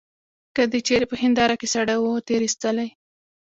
که دي چیري په هنیداره کي سړی وو تېرایستلی.